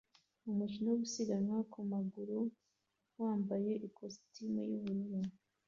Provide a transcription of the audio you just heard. Umukino wo gusiganwa ku maguru wambaye ikositimu yubururu